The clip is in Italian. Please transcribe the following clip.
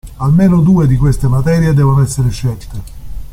Almeno due di queste materie devono essere scelte.